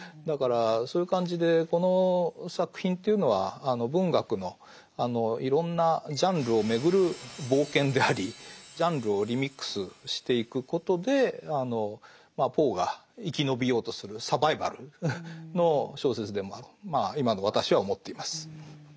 だからそういう感じでこの作品というのは文学のいろんなジャンルをめぐる冒険でありジャンルをリミックスしていくことでポーが生き延びようとするサバイバルの小説でもあるとまあ今の私は思っています。